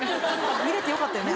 見れてよかったよね。